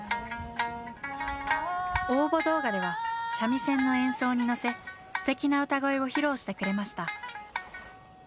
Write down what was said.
応募動画では三味線の演奏に乗せすてきな歌声を披露してくれました。